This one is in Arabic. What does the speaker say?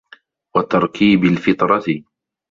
وَتَرْكِيبِ الْفِطْرَةِ